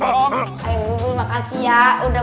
ini mpo langsung ngeriskain deh